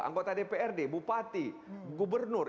anggota dprd bupati gubernur